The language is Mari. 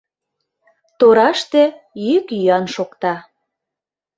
Тораште йӱк-йӱан шокта.